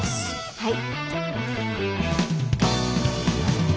はい。